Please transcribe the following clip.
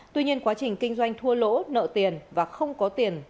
tuy nhiên quá trình kinh doanh thua lỗ nợ tiền và không có tiền